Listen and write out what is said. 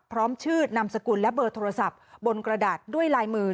พร้อมชื่อนามสกุลและเบอร์โทรศัพท์บนกระดาษด้วยลายมือ